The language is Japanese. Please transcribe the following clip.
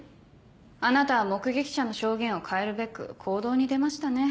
あなたは目撃者の証言を変えるべく行動に出ましたね。